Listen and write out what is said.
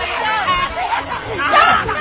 ちょっと！